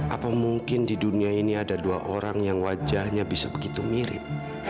apa mungkin di dunia ini ada dua orang yang wajahnya bisa begitu mirip